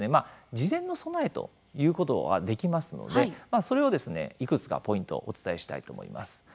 事前の備えということはできますのでそれをいくつかポイントお伝えしたいと思います。